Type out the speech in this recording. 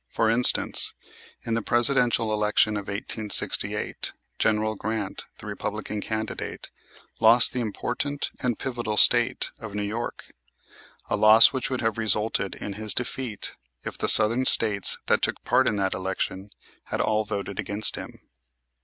For instance, in the Presidential election of 1868, General Grant, the Republican candidate, lost the important and pivotal State of New York, a loss which would have resulted in his defeat if the Southern States that took part in that election had all voted against him.